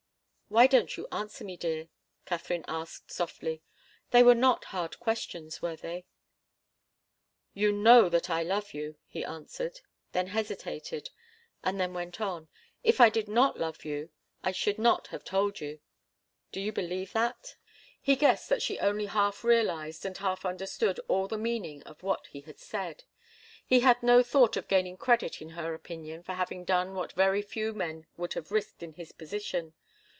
"Why don't you answer me, dear?" Katharine asked softly. "They were not hard questions, were they?" "You know that I love you," he answered then hesitated, and then went on. "If I did not love you, I should not have told you. Do you believe that?" He guessed that she only half realized and half understood all the meaning of what he had said. He had no thought of gaining credit in her opinion for having done what very few men would have risked in his position.